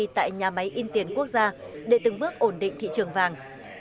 tại nhà máy in tiền quốc gia để từng bước ổn định thị trường vàng